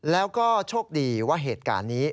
แล้วก็โชคดีว่าเหตุการณ์นี้